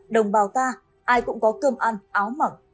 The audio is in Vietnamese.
đồng bào ta ai cũng có cơm ăn áo mặc